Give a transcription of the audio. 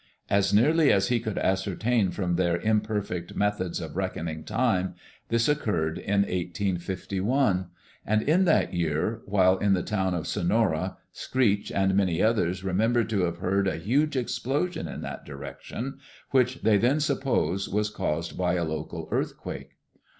As nearly as he could ascertain from their imperfect methods of reckoning time, this occurred in 1851; and in that year, while in the town of Sonora, Screech and many others remembered to have heard a huge explosion in that direction which they then supposed was caused by a local earthquake.